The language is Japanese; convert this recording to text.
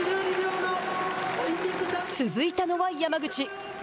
続いたのは山口。